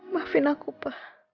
maafin aku pa